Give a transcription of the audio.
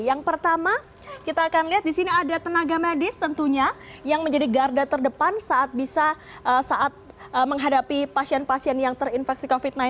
yang pertama kita akan lihat di sini ada tenaga medis tentunya yang menjadi garda terdepan saat bisa saat menghadapi pasien pasien yang terinfeksi covid sembilan belas